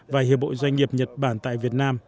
và hiệp bộ doanh nghiệp nhật bản tại việt nam